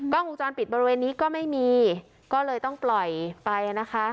วงจรปิดบริเวณนี้ก็ไม่มีก็เลยต้องปล่อยไปนะคะ